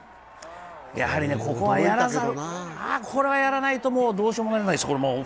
やはりこれはやらないとどうしようもないです、